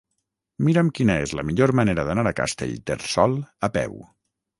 Mira'm quina és la millor manera d'anar a Castellterçol a peu.